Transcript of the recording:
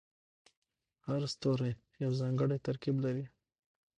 هر ستوری یو ځانګړی ترکیب لري.